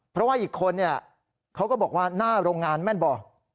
เพราะว่าอีกคนเนี่ยเขาก็บอกว่าหน้าโรงงานแม่นบ่อ